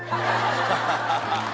ハハハハ！